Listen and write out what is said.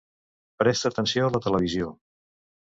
Presta atenció a la televisió?